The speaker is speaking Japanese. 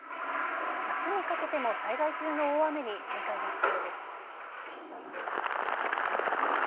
明日にかけても災害級の大雨に警戒が必要です。